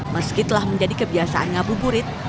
meski telah menjadi kebiasaan ngabuburit